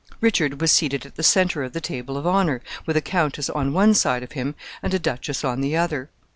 Richard was seated at the centre of the table of honor, with a countess on one side of him and a duchess on the other.